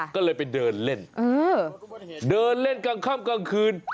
ก็เลยไปเดินเล่นเดินเล่นกลางค่ำกลางคืน